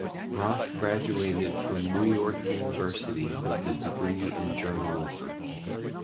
Roth graduated from New York University with a degree in journalism.